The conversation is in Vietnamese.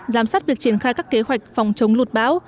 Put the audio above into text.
giám sát việc triển khai các kế hoạch phòng chống lụt bão